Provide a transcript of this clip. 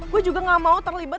gue juga gak mau terlibat